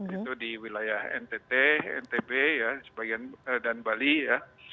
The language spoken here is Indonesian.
itu di wilayah ntt ntb dan bali ya